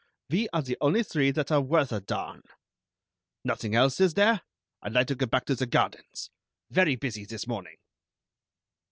We are the only three that are worth a darn. Nothing else, is there? I'd like to get back to the gardens. Very busy this morning."